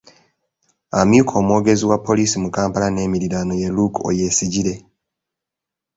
Amyuka omwogezi wa poliisi mu Kampala n'emiriraano y’e Luke Owoyesigyire.